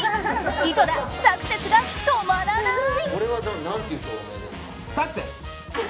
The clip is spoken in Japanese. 井戸田、サクセスが止まらない！